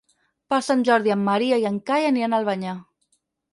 Per Sant Jordi en Maria i en Cai aniran a Albanyà.